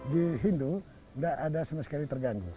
di hindu tidak ada yang terganggu